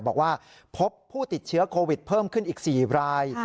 บอกว่าพบผู้ติดเชื้อโควิดเพิ่มขึ้นอีก๔ราย